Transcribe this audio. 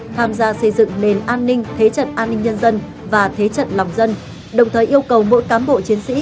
tham gia xây dựng nền an ninh thế trận an ninh nhân dân và thế trận lòng dân đồng thời yêu cầu mỗi cám bộ chiến sĩ